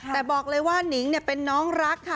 แต่บอกเลยว่านิงเป็นน้องรักค่ะ